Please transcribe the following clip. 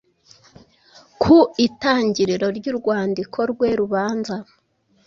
Ku itangiriro ry’urwandiko rwe rubanza,